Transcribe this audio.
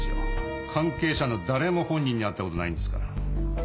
関係者の誰も本人に会った事ないんですから。